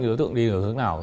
đối tượng đi được hướng nào